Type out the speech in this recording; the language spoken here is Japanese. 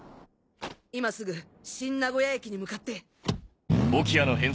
今すぐ新名古屋駅に向かって！